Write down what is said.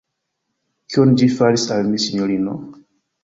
Kion ĝi faris al mi, sinjorino?